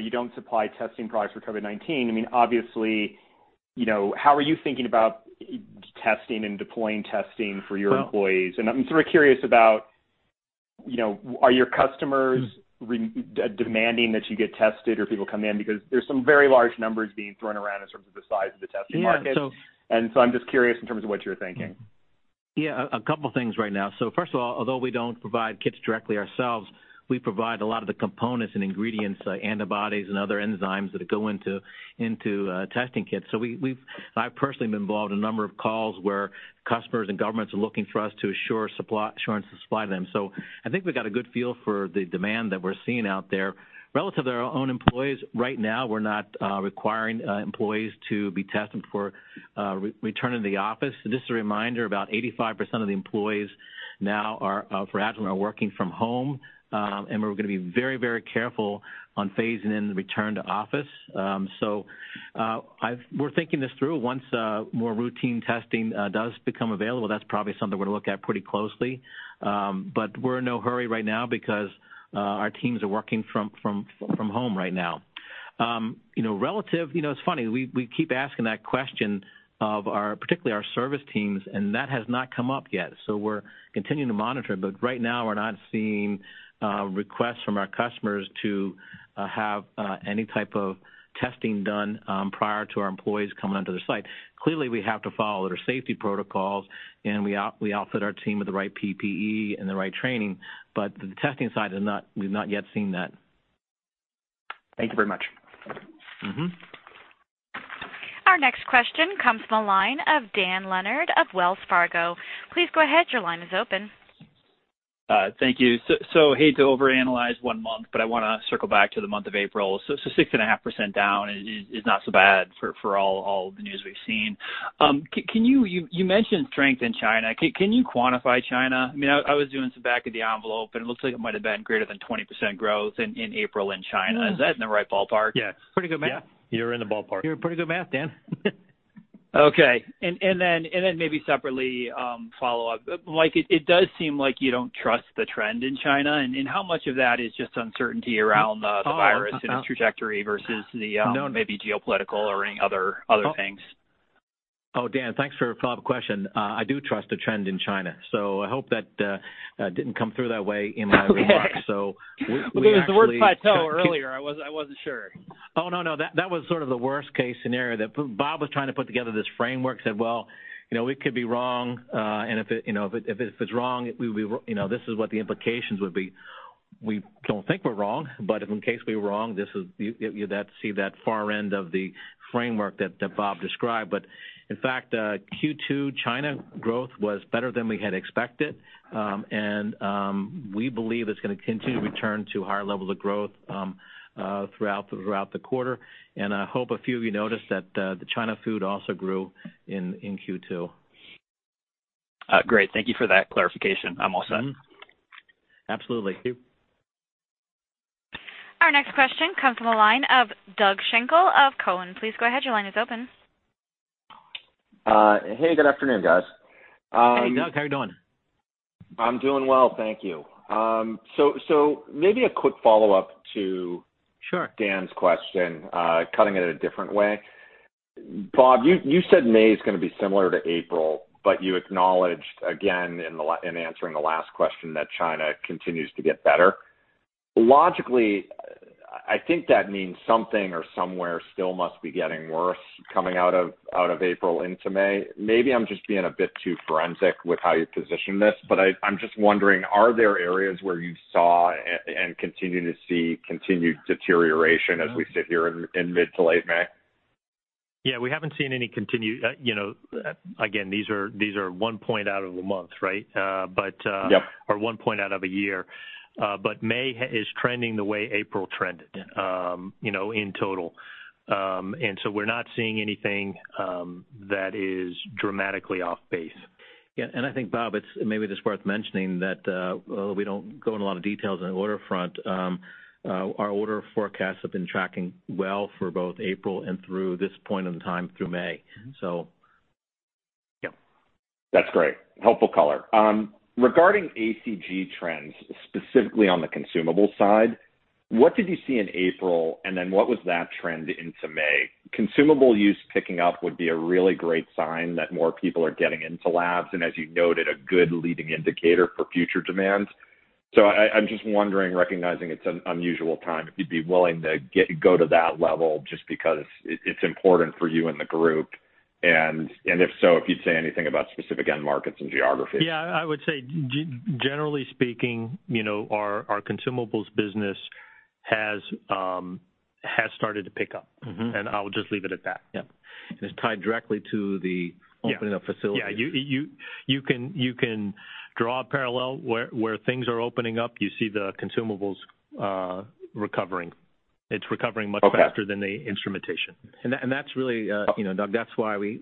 You don't supply testing products for COVID-19. I mean, obviously, how are you thinking about testing and deploying testing for your employees? I'm sort of curious about, are your customers demanding that you get tested or people come in because there's some very large numbers being thrown around in terms of the size of the testing market. Yeah. I'm just curious in terms of what you're thinking? Yeah, a couple things right now. First of all, although we don't provide kits directly ourselves, we provide a lot of the components and ingredients, antibodies, and other enzymes that go into testing kits. I've personally been involved in a number of calls where customers and governments are looking for us to assure supply to them. I think we've got a good feel for the demand that we're seeing out there. Relative to our own employees, right now, we're not requiring employees to be tested before returning to the office. Just a reminder, about 85% of the employees now for Agilent are working from home. We're going to be very careful on phasing in the return to office. We're thinking this through. Once more routine testing does become available, that's probably something we'll look at pretty closely. We're in no hurry right now because our teams are working from home right now. It's funny, we keep asking that question of particularly our service teams, and that has not come up yet. We're continuing to monitor, but right now we're not seeing requests from our customers to have any type of testing done prior to our employees coming onto the site. Clearly, we have to follow their safety protocols, and we outfit our team with the right PPE and the right training. The testing side, we've not yet seen that. Thank you very much. Our next question comes from the line of Dan Leonard of Wells Fargo. Please go ahead. Your line is open. Thank you. Hate to overanalyze one month, but I want to circle back to the month of April. 6.5% down is not so bad for all the news we've seen. You mentioned strength in China. Can you quantify China? I was doing some back of the envelope, and it looks like it might've been greater than 20% growth in April in China. Is that in the right ballpark? Yeah. Pretty good math? Yeah. You're in the ballpark. You're pretty good math, Dan. Okay. Maybe separately follow up. Mike, it does seem like you don't trust the trend in China, how much of that is just uncertainty around the virus and its trajectory versus the No maybe geopolitical or any other things? Oh, Dan, thanks for the follow-up question. I do trust the trend in China, so I hope that didn't come through that way in my remarks. Okay. So we actually- With those words by Bob earlier, I wasn't sure. Oh, no. That was sort of the worst-case scenario that Bob was trying to put together this framework, said, "Well, we could be wrong, and if it's wrong, this is what the implications would be." We don't think we're wrong, but if in case we're wrong, you'd see that far end of the framework that Bob described. In fact, Q2 China growth was better than we had expected. We believe it's going to continue to return to higher levels of growth throughout the quarter. I hope a few of you noticed that the China food also grew in Q2. Great. Thank you for that clarification. I'm all set. Absolutely. Thank you. Our next question comes from the line of Doug Schenkel of Cowen. Please go ahead, your line is open. Hey, good afternoon, guys. Hey, Doug. How are you doing? I'm doing well, thank you. Sure Dan's question, cutting it a different way. Bob, you said May is going to be similar to April, but you acknowledged again in answering the last question that China continues to get better. Logically, I think that means something or somewhere still must be getting worse coming out of April into May. Maybe I'm just being a bit too forensic with how you positioned this, but I'm just wondering, are there areas where you saw and continue to see continued deterioration as we sit here in mid to late May? Yeah, we haven't seen any. Again, these are one point out of a month, right? Yep. One point out of a year. May is trending the way April trended in total. We're not seeing anything that is dramatically off base. Yeah, I think, Bob, it's maybe just worth mentioning that, although we don't go in a lot of details on the order front, our order forecasts have been tracking well for both April and through this point in time through May. Yep. That's great. Helpful color. Regarding ACG trends, specifically on the consumable side, what did you see in April? What was that trend into May? Consumable use picking up would be a really great sign that more people are getting into labs, and as you noted, a good leading indicator for future demand. I'm just wondering, recognizing it's an unusual time, if you'd be willing to go to that level just because it's important for you and the group. If so, if you'd say anything about specific end markets and geographies. Yeah, I would say, generally speaking, our consumables business has started to pick up. I'll just leave it at that. Yep. It's tied directly to. Yeah opening of facilities. Yeah. You can draw a parallel where things are opening up, you see the consumables recovering. It's recovering. Okay faster than the instrumentation. That's really, Doug, that's why we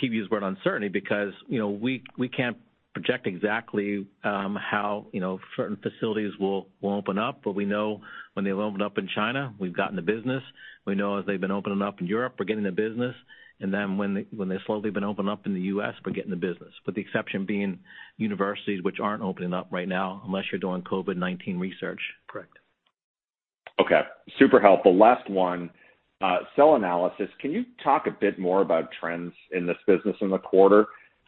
keep using the word uncertainty because we can't project exactly how certain facilities will open up. We know when they've opened up in China, we've gotten the business. We know as they've been opening up in Europe, we're getting the business. Then when they slowly have been opening up in the U.S., we're getting the business. With the exception being universities, which aren't opening up right now unless you're doing COVID-19 research. Correct. Okay. Super helpful. Last one. Cell analysis. Can you talk a bit more about trends in this business in the quarter?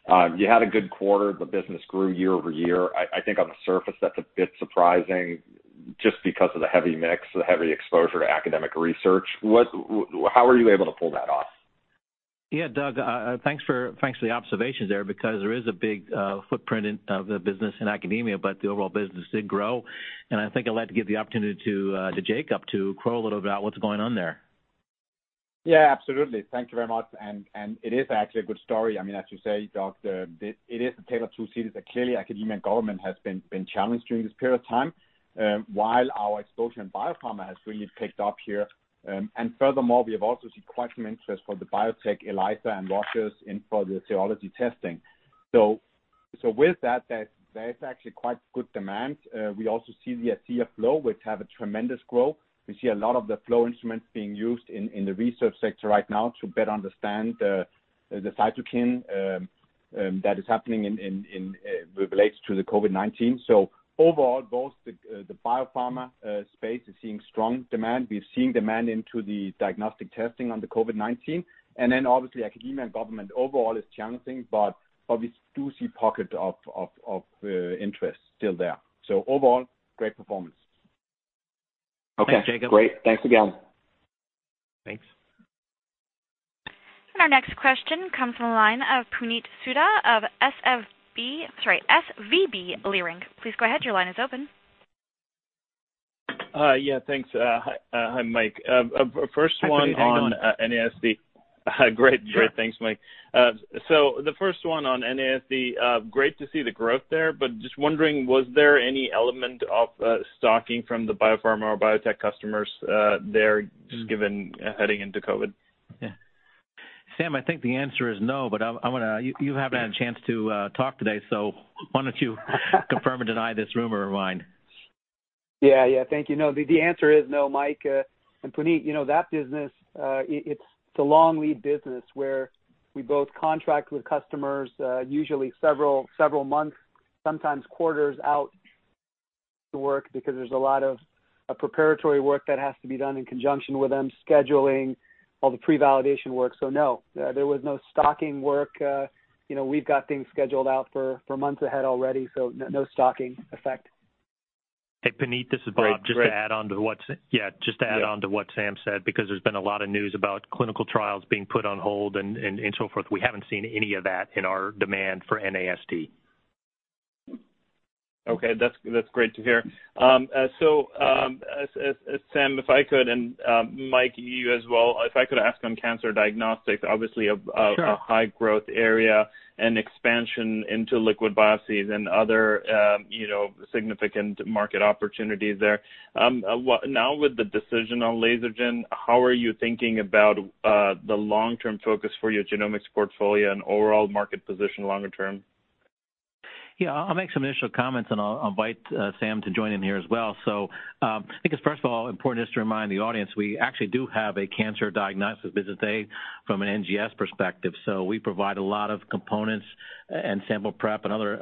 You had a good quarter. The business grew year-over-year. I think on the surface, that's a bit surprising just because of the heavy mix, the heavy exposure to academic research. How were you able to pull that off? Yeah, Doug, thanks for the observations there because there is a big footprint of the business in academia, but the overall business did grow. I think I'd like to give the opportunity to Jacob to crow a little about what's going on there. Yeah, absolutely. Thank you very much. It is actually a good story. As you say, Doug, it is a tale of two cities that clearly academia and government has been challenged during this period of time. While our exposure in biopharma has really picked up here. Furthermore, we have also seen quite some interest for the BioTek ELISA and washers in serology testing. With that, there is actually quite good demand. We also see the xCELLigence, which have a tremendous growth. We see a lot of the flow instruments being used in the research sector right now to better understand the cytokine that is happening in relation to the COVID-19. Overall, both the biopharma space is seeing strong demand. We're seeing demand into the diagnostic testing on the COVID-19. Obviously academia and government overall is challenging, but we do see pocket of interest still there. Overall, great performance. Thanks, Jacob. Okay, great. Thanks again. Thanks. Our next question comes from the line of Puneet Souda of SVB Leerink. Please go ahead, your line is open. Yeah, thanks. Hi, Mike. Hi, Puneet. NASD. Great. Thanks, Mike. The first one on NASD. Great to see the growth there, but just wondering, was there any element of stocking from the biopharma or biotech customers there just given heading into COVID? Yeah. Sam, I think the answer is no, but you haven't had a chance to talk today, so why don't you confirm or deny this rumor of mine? Yeah. Thank you. No, the answer is no, Mike. Puneet, that business, it's a long lead business where we both contract with customers, usually several months, sometimes quarters out work because there's a lot of preparatory work that has to be done in conjunction with them scheduling all the pre-validation work. No, there was no stocking work. We've got things scheduled out for months ahead already, so no stocking effect. Hey, Puneet, this is Bob. Great. Just to add on to what Sam said, because there's been a lot of news about clinical trials being put on hold and so forth, we haven't seen any of that in our demand for NASD. Okay. That's great to hear. Sam, if I could, and, Mike, you as well, if I could ask on cancer diagnostics. Sure a high growth area and expansion into liquid biopsies and other significant market opportunities there. Now with the decision on Lasergen, how are you thinking about the long-term focus for your genomics portfolio and overall market position longer term? Yeah, I'll make some initial comments, and I'll invite Sam to join in here as well. I think it's first of all important just to remind the audience, we actually do have a cancer diagnostics business, A, from an NGS perspective. We provide a lot of components and sample prep and other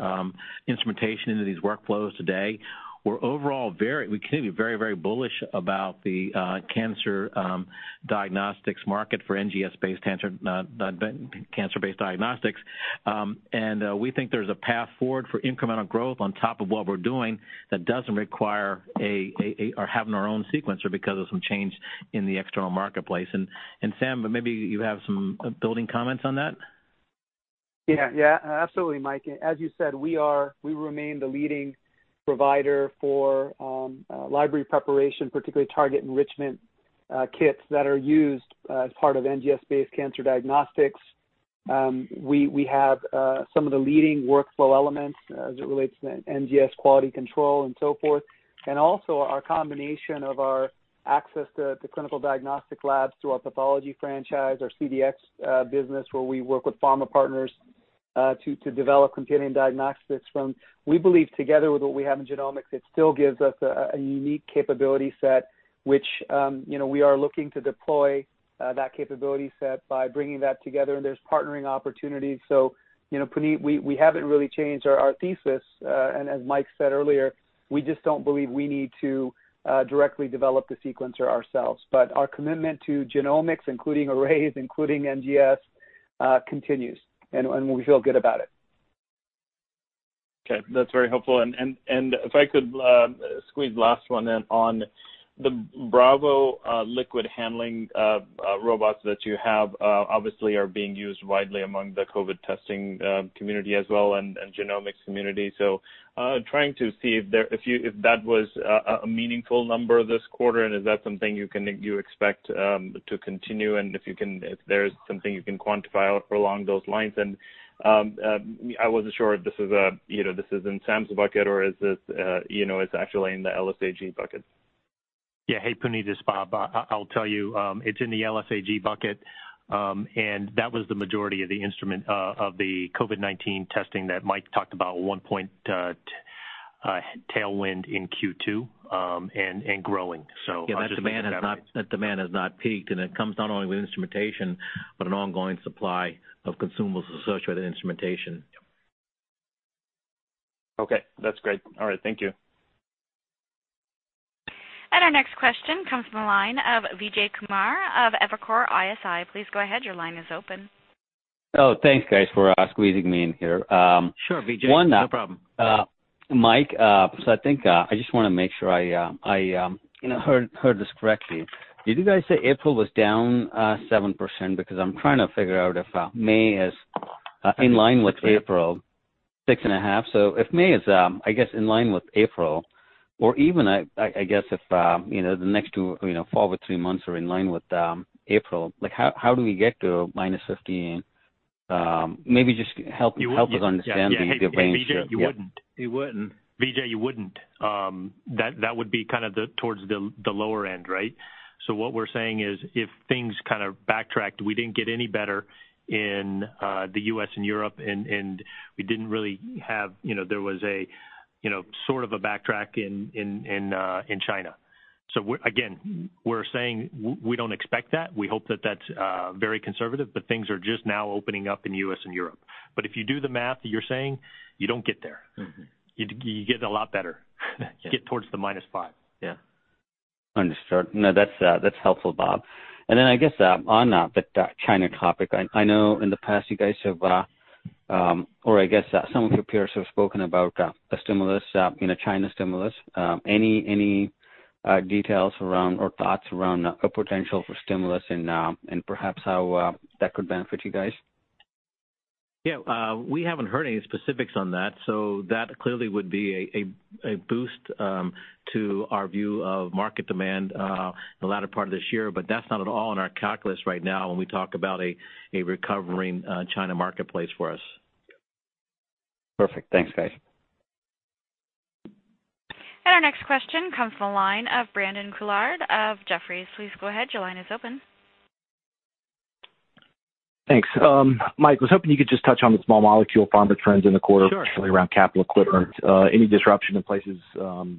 instrumentation into these workflows today. We're continuing to be very bullish about the cancer diagnostics market for NGS-based, cancer-based diagnostics. We think there's a path forward for incremental growth on top of what we're doing that doesn't require having our own sequencer because of some change in the external marketplace. Sam, maybe you have some building comments on that. Yeah. Absolutely, Mike. As you said, we remain the leading provider for library preparation, particularly target enrichment kits that are used as part of NGS-based cancer diagnostics. We have some of the leading workflow elements as it relates to NGS quality control and so forth. Also our combination of our access to clinical diagnostic labs through our pathology franchise, our CDX business, where we work with pharma partners to develop companion diagnostics from. We believe together with what we have in genomics, it still gives us a unique capability set, which we are looking to deploy that capability set by bringing that together, and there's partnering opportunities. Puneet, we haven't really changed our thesis. As Mike said earlier, we just don't believe we need to directly develop the sequencer ourselves. Our commitment to genomics, including arrays, including NGS, continues, and we feel good about it. Okay, that's very helpful. If I could squeeze last one in on the Bravo liquid handling robots that you have, obviously are being used widely among the COVID testing community as well and genomics community. Trying to see if that was a meaningful number this quarter, and is that something you expect to continue, and if there's something you can quantify along those lines. I wasn't sure if this is in Sam's bucket or is this actually in the LSAG bucket? Yeah. Hey, Puneet, this is Bob. I'll tell you, it's in the LSAG bucket. That was the majority of the COVID-19 testing that Mike talked about, a 1 point tailwind in Q2, and growing. I just think that. Yeah, that demand has not peaked, and it comes not only with instrumentation, but an ongoing supply of consumables associated with instrumentation. Yep. Okay. That's great. All right, thank you. Our next question comes from the line of Vijay Kumar of Evercore ISI. Please go ahead, your line is open. Oh, thanks, guys, for squeezing me in here. Sure, Vijay. No problem. Mike, I think I just want to make sure I heard this correctly. Did you guys say April was down 7%? I'm trying to figure out if May is in line with April. Six and a half. Six and a half. If May is, I guess, in line with April, or even, I guess if the next four or three months are in line with April, how do we get to minus 15? Maybe just help us understand the range. Yeah. Hey, Vijay, you wouldn't. You wouldn't. Vijay, you wouldn't. That would be towards the lower end, right? What we're saying is if things kind of backtracked, we didn't get any better in the U.S. and Europe, and there was a sort of a backtrack in China. Again, we're saying we don't expect that. We hope that that's very conservative, but things are just now opening up in the U.S. and Europe. If you do the math that you're saying, you don't get there. You get a lot better. Yeah. You get towards the minus five. Yeah. Understood. No, that's helpful, Bob. I guess on that China topic, I know in the past you guys have, or I guess some of your peers have spoken about a stimulus, China stimulus. Any details around or thoughts around a potential for stimulus and perhaps how that could benefit you guys? Yeah. We haven't heard any specifics on that, so that clearly would be a boost to our view of market demand in the latter part of this year, but that's not at all in our calculus right now when we talk about a recovering China marketplace for us. Perfect. Thanks, guys. Our next question comes from the line of Brandon Couillard of Jefferies. Please go ahead, your line is open. Thanks. Mike, I was hoping you could just touch on the small molecule pharma trends in the quarter? Sure particularly around capital equipment. Any disruption in places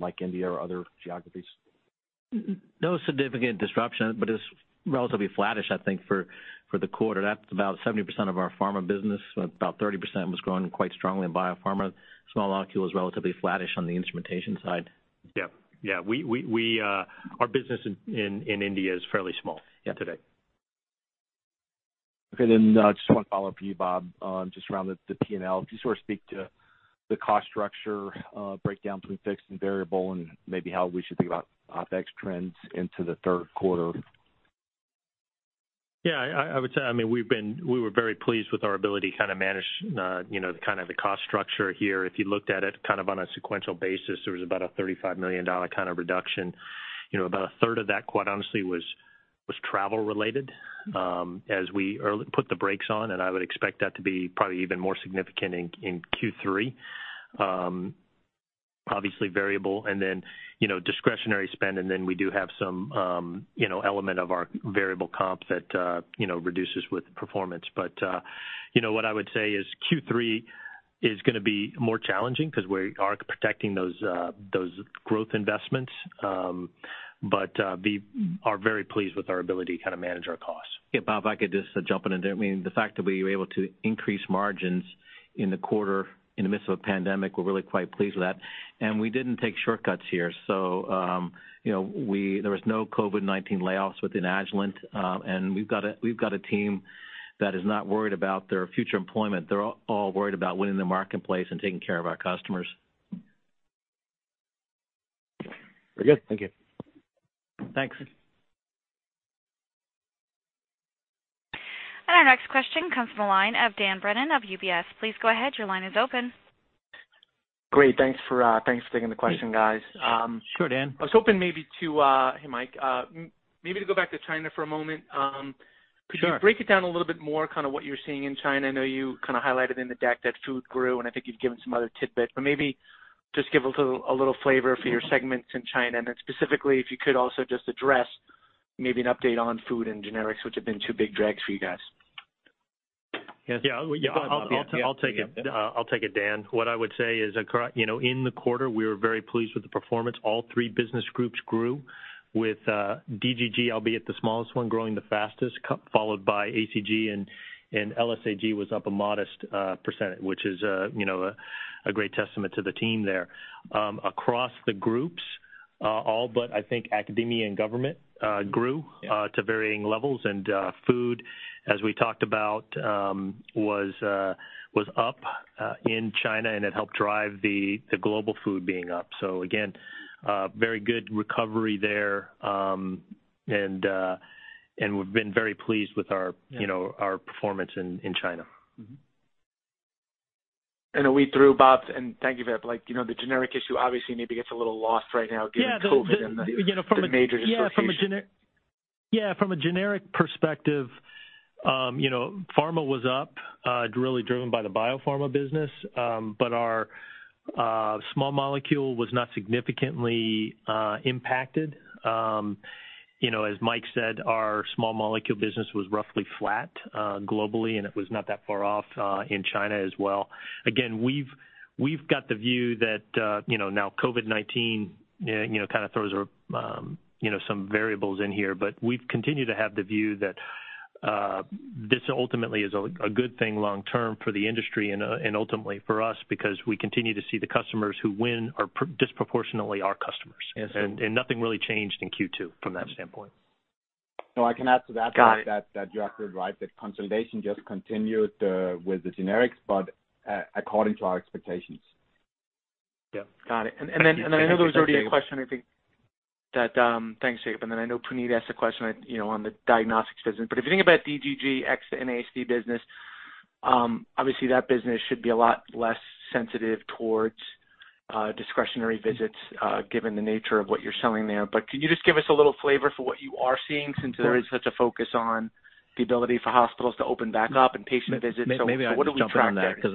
like India or other geographies? No significant disruption, but it's relatively flattish, I think, for the quarter. That's about 70% of our pharma business. About 30% was growing quite strongly in biopharma. Small molecule is relatively flattish on the instrumentation side. Yeah. Our business in India is fairly small today. Yeah. Just one follow-up for you, Bob, just around the P&L. Can you sort of speak to the cost structure breakdown between fixed and variable, and maybe how we should think about OpEx trends into the third quarter? Yeah, I would say we were very pleased with our ability to kind of manage the cost structure here. If you looked at it on a sequential basis, there was about a $35 million reduction. About a third of that, quite honestly, was travel related, as we put the brakes on, and I would expect that to be probably even more significant in Q3. Obviously variable, and then discretionary spend, and then we do have some element of our variable comps that reduces with performance. What I would say is Q3 is going to be more challenging because we are protecting those growth investments. We are very pleased with our ability to manage our costs. Yeah, Bob, if I could just jump in there. The fact that we were able to increase margins in the quarter in the midst of a pandemic, we're really quite pleased with that. We didn't take shortcuts here. There was no COVID-19 layoffs within Agilent, and we've got a team that is not worried about their future employment. They're all worried about winning the marketplace and taking care of our customers. Very good. Thank you. Thanks. Our next question comes from the line of Dan Brennan of UBS. Please go ahead, your line is open. Great. Thanks for taking the question, guys. Sure, Dan. I was hoping maybe. Hey, Mike. Maybe to go back to China for a moment. Sure. Could you break it down a little bit more, kind of what you're seeing in China? I know you kind of highlighted in the deck that food grew, and I think you've given some other tidbits, but maybe just give a little flavor for your segments in China, and then specifically, if you could also just address maybe an update on food and generics, which have been two big drags for you guys. Yes. You go ahead, Bob. I'll take it, Dan. What I would say is in the quarter, we were very pleased with the performance. All three business groups grew, with DGG, albeit the smallest one, growing the fastest, followed by ACG, and LSAG was up a modest %, which is a great testament to the team there. Across the groups, all but I think academia and government grew to varying levels. Food, as we talked about was up in China, and it helped drive the global food being up. Again, very good recovery there. We've been very pleased with our performance in China. A wee through, Bob, and thank you for that. The generic issue obviously maybe gets a little lost right now given COVID and the major associations. Yeah, from a generic perspective, pharma was up, really driven by the biopharma business. Our small molecule was not significantly impacted. As Mike said, our small molecule business was roughly flat globally, and it was not that far off in China as well. We've got the view that now COVID-19 kind of throws some variables in here, but we've continued to have the view that this ultimately is a good thing long term for the industry and ultimately for us because we continue to see the customers who win are disproportionately our customers. Yes. Nothing really changed in Q2 from that standpoint. No, I can add to that, Mike. Got it. You are correct, that consolidation just continued with the generics, but according to our expectations. Yep. Got it. I know there was already a question, I think that, thanks, Jacob, I know Puneet asked a question on the diagnostics business, if you think about DGG and NASD business, obviously that business should be a lot less sensitive towards discretionary visits given the nature of what you're selling there. Could you just give us a little flavor for what you are seeing since there is such a focus on the ability for hospitals to open back up and patient visits? What are we tracking there? Maybe I can jump in on that because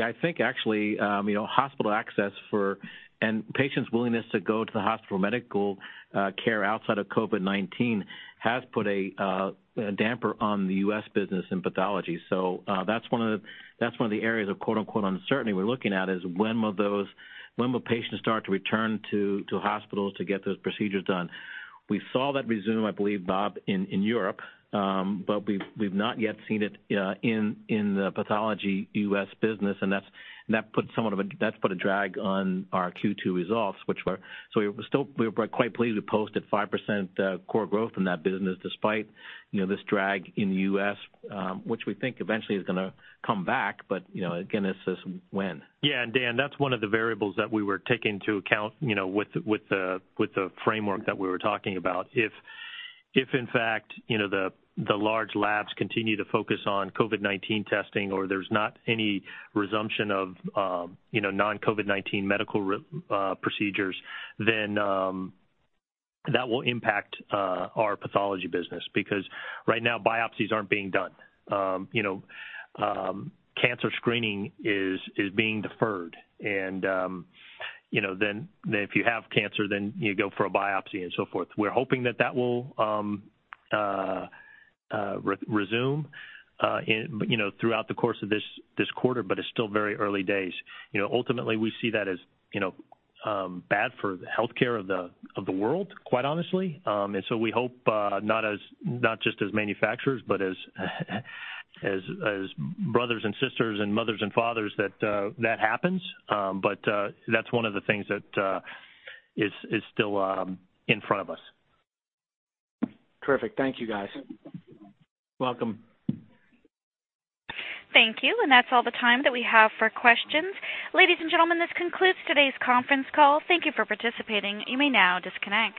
I think actually, hospital access for, and patients' willingness to go to the hospital for medical care outside of COVID-19 has put a damper on the U.S. business in pathology. That's one of the areas of quote unquote "uncertainty" we're looking at is when will patients start to return to hospitals to get those procedures done? We saw that resume, I believe, Bob, in Europe, but we've not yet seen it in the pathology U.S. business, and that's put a drag on our Q2 results. We were quite pleased we posted 5% core growth in that business despite this drag in the U.S., which we think eventually is going to come back, but again, it's just when. Yeah, and Dan, that's one of the variables that we were taking into account with the framework that we were talking about. If in fact the large labs continue to focus on COVID-19 testing or there's not any resumption of non-COVID-19 medical procedures, then that will impact our pathology business because right now biopsies aren't being done. Cancer screening is being deferred, then if you have cancer, then you go for a biopsy and so forth. We're hoping that that will resume throughout the course of this quarter, but it's still very early days. Ultimately, we see that as bad for the healthcare of the world, quite honestly. We hope not just as manufacturers, but as brothers and sisters and mothers and fathers that that happens, but that's one of the things that is still in front of us. Terrific. Thank you, guys. Welcome. Thank you. That's all the time that we have for questions. Ladies and gentlemen, this concludes today's conference call. Thank you for participating. You may now disconnect.